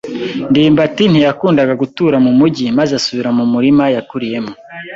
ndimbati ntiyakundaga gutura mu mujyi maze asubira mu murima yakuriyemo.